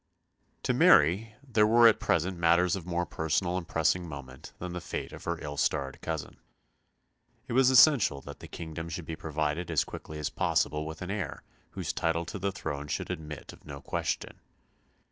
To Mary there were at present matters of more personal and pressing moment than the fate of her ill starred cousin. It was essential that the kingdom should be provided as quickly as possible with an heir whose title to the throne should admit of no question.